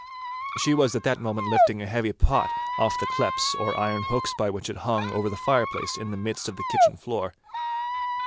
She was at that moment lifting a heavy iron pot off the cleps, or iron hooks by which it hung over the fireplace in the midst of the kitchen floor.